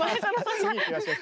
次いきましょうか。